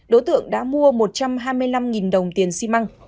đối tượng đã mua một trăm hai mươi năm đồng tiền xi măng